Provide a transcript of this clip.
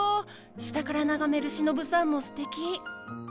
下から眺めるシノブさんもすてき。